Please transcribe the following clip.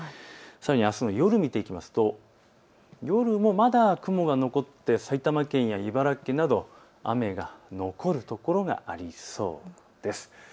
あすの夜を見ていきますと夜もまだ雲が残って埼玉県や茨城県など雨が残るところがありそうです。